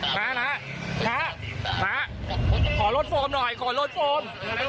มานะมามาขอลดโฟมหน่อยขอลดโฟม